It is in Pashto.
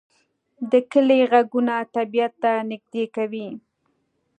د کلی غږونه طبیعت ته نږدې کوي